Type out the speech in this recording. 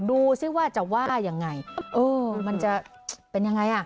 ดูสิว่าจะว่ายังไงเออมันจะเป็นยังไงอ่ะ